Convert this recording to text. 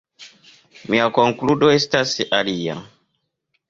Mia konkludo estas alia.